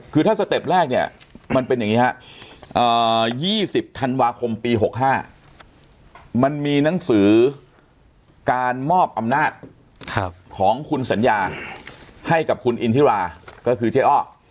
คือถ้าสเต็ปแรกเนี่ยมันเป็นอย่างนี้ครับ๒๐ธันวาคมปี๖๕มันมีหนังสือการมอบอำนาจของคุณสัญญาให้กับคุณอินทิราก็คือเจ๊อ้อ